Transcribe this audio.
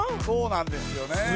そうなんですよね。